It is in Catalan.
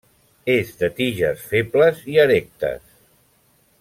És de tiges febles i erectes.